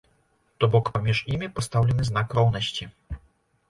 То бок паміж імі пастаўлены знак роўнасці.